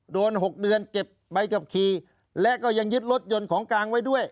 ๖เดือนเก็บใบขับขี่และก็ยังยึดรถยนต์ของกลางไว้ด้วย